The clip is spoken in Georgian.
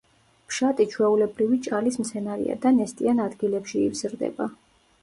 ფშატი ჩვეულებრივი ჭალის მცენარეა და ნესტიან ადგილებში იზრდება.